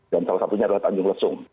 dan salah satunya adalah tanggung lesung